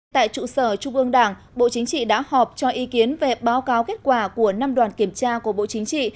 tại trụ sở trung ương đảng bộ chính trị đã họp cho ý kiến về báo cáo kết quả của năm đoàn kiểm tra của bộ chính trị